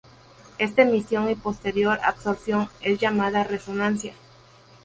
Esta emisión y posterior absorción es llamada resonancia.